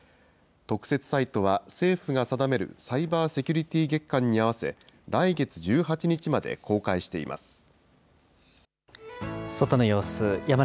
特設サイトは、政府が定めるサイバーセキュリティ月間に合わせ、来月１８日まで公開しています。